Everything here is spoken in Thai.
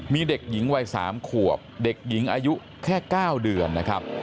มีเด็กหญิงวัย๓ขวบเด็กหญิงอายุแค่๙เดือนนะครับ